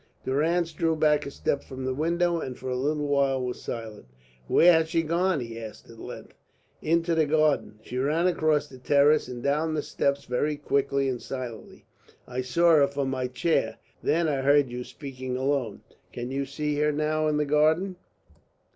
Durrance drew back a step from the window, and for a little while was silent. "Where has she gone?" he asked at length. "Into the garden. She ran across the terrace and down the steps very quickly and silently. I saw her from my chair. Then I heard you speaking alone." "Can you see her now in the garden?"